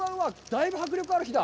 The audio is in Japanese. だいぶ迫力ある火だ。